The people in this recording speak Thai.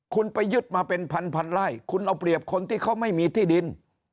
คุณไปยึดมาเป็นพันไร่คุณเอาเปรียบคนที่เขาไม่มีที่ดิน